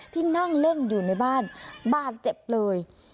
ที่นั่งเล่นอยู่ในบ้านบาดเจ็บเลย